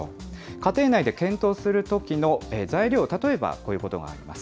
家庭内で検討するときの材料、例えばこういうことがあります。